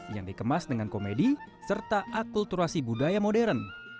yang dikemas dengan komedi serta akulturasi budaya modern